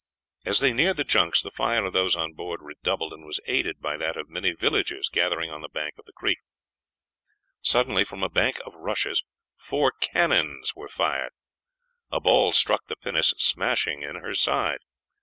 As they neared the junks the fire of those on board redoubled, and was aided by that of many villagers gathered on the bank of the creek. Suddenly from a bank of rushes four cannons were fired. A ball struck the pinnace, smashing in her side.